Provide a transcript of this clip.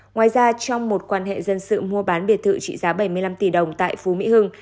ngoài ra trong một quan hệ dân sự mua bán biệt thự trị giá bảy mươi năm tỷ đồng tại phú mỹ hưng